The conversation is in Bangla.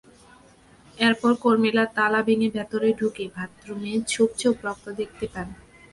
এরপর কর্মীরা তালা ভেঙে ভেতরে ঢুকে বাথরুমে ছোপ ছোপ রক্ত দেখতে পান।